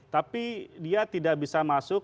tapi dia tidak bisa masuk